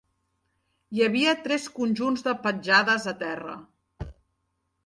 Hi havia tres conjunts de petjades a terra.